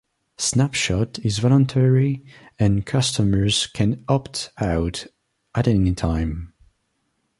Snapshot is voluntary and customers can opt out at any time.